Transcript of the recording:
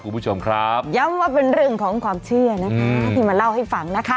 คุณผู้ชมครับย้ำว่าเป็นเรื่องของความเชื่อนะคะที่มาเล่าให้ฟังนะคะ